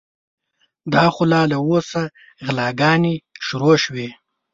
دا خو لا له اوسه غلاګانې شروع شوې.